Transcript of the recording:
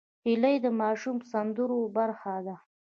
هیلۍ د ماشوم سندرو برخه ده